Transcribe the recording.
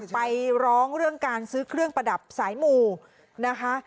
ไปร้องเรื่องการซื้อเครื่องประดับสายหมู่นะคะ